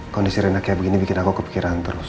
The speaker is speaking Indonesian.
kondisi renat kayak begini bikin aku kepikiran terus